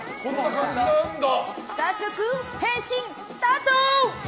早速、変身スタート！